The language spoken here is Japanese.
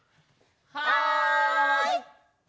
はい！